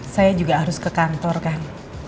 saya juga harus ke kantor kan